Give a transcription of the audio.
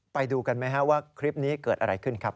ไปดูกันไหมครับว่าคลิปนี้เกิดอะไรขึ้นครับ